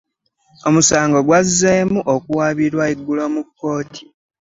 Omusango gwazzemu okuwabirwa eggulo mu kooti .